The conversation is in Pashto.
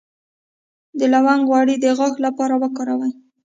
د لونګ غوړي د غاښ لپاره وکاروئ